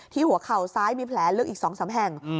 ที่หัวเข่าซ้ายมีแผลลึกอีกสองสามแห่ง